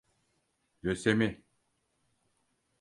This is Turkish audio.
Lösemi…